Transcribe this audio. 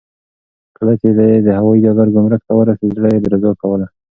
کله چې دی د هوايي ډګر ګمرک ته ورسېد، زړه یې درزا کوله.